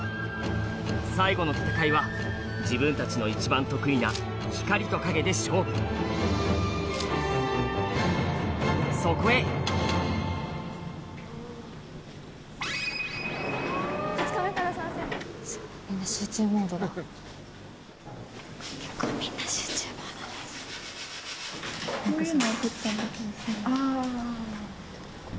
最後の戦いは自分たちの一番得意な光と影で勝負そこへ結構みんな集中モードです。